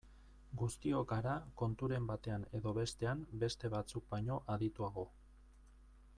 Guztiok gara konturen batean edo bestean beste batzuk baino adituago.